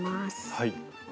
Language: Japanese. はい。